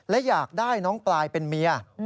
และอยากได้น้องปลายเป็นเมีย